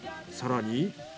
更に。